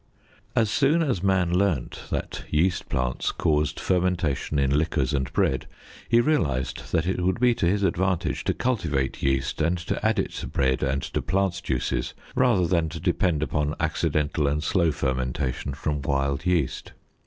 As soon as man learned that yeast plants caused fermentation in liquors and bread, he realized that it would be to his advantage to cultivate yeast and to add it to bread and to plant juices rather than to depend upon accidental and slow fermentation from wild yeast.